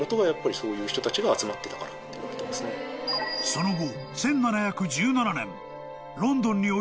［その後］